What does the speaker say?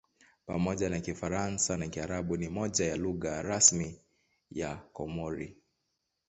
Pamoja na Kifaransa na Kiarabu ni moja ya lugha rasmi ya Komori.